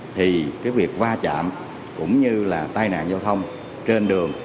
thì cái việc va chạm cũng như là tai nạn giao thông trên đường